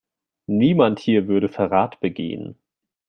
Niemand hier würde Verrat begehen.